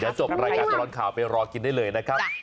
เดี๋ยวจบรายการตลอดข่าวไปรอกินได้เลยนะครับ